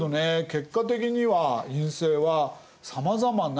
結果的には院政はさまざまな権益